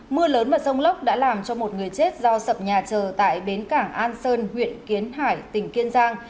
mưa lớn và rông lốc đã làm cho một người chết do sập nhà trờ tại bến cảng an sơn huyện kiến hải tỉnh kiên giang